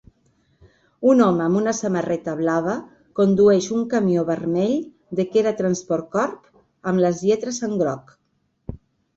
Un home amb una samarreta blava condueix un camió vermell de Khera Transport Corp. amb les lletres en groc.